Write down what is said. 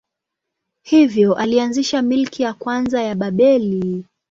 Hivyo alianzisha milki ya kwanza ya Babeli.